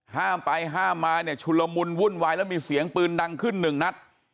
ห้ามไปห้ามมาเนี่ยชุลมุนวุ่นวายแล้วมีเสียงปืนดังขึ้นหนึ่งนัด